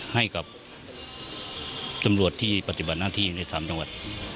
ให้กับตำรวจที่ปฏิบัติหน้าที่ใน๓จังหวัด